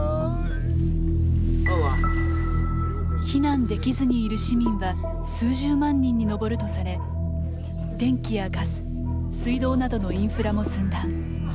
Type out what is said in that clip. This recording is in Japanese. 避難できずにいる市民は数十万人に上るとされ電気やガス、水道などのインフラも寸断。